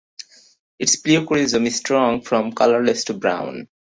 Its pleochroism is strong from colorless to brown.